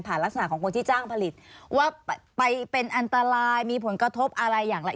ลักษณะของคนที่จ้างผลิตว่าไปเป็นอันตรายมีผลกระทบอะไรอย่างไร